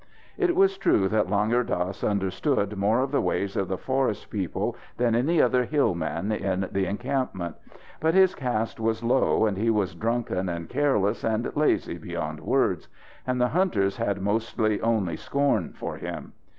It was true that Langur Dass understood more of the ways of the forest people than any other hillman in the encampment. But his caste was low, and he was drunken and careless and lazy beyond words, and the hunters had mostly only scorn for him.